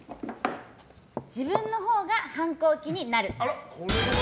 自分のほうが反抗期になる！